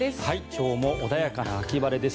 今日も穏やかな秋晴れです。